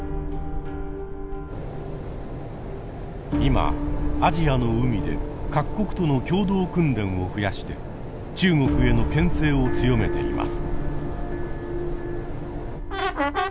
今アジアの海で各国との共同訓練を増やして中国への牽制を強めています。